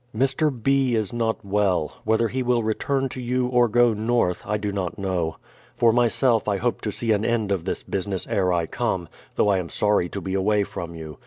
Mr. B. is not well; whether he will return to you or go north, I do not know. For myself I hope to see an end of this business ere I come, though I am sorry to be away from you.